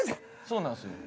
そうなんですよ。